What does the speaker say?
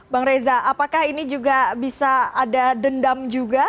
bang reza apakah ini juga bisa ada dendam juga